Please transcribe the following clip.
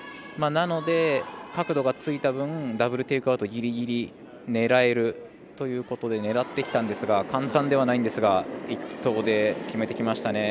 なので、角度がついた分ダブル・テイクアウトギリギリ狙えるということで狙ってきたんですが簡単ではないんですが１投で決めてきました。